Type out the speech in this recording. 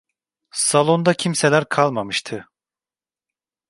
Salonda kimseler kalmamıştı.